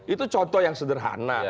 itu contoh yang sederhana